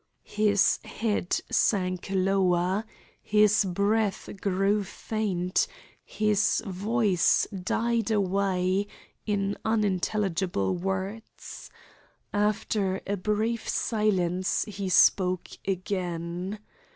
His head sank lower. His breath grew faint. His voice died away in unintelligible words. After a brief silence he spoke again.